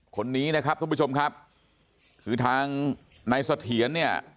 คนนี้นะครับทุกผู้ชมครับคือทางนายสะเถียน